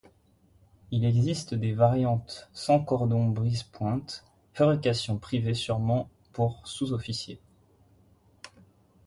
Il existe des variantes sans cordon brise pointe, fabrications privées surement pour sous-officiers.